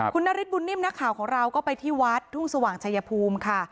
คุณนฤทธบุญนิ่มนักข่าวของเราก็ไปที่วัดทุ่งสว่างชายภูมิค่ะ